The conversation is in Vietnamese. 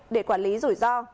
để quản lý rủi ro